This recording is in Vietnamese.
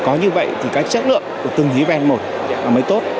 có như vậy thì cái chất lượng của từng event một mới tốt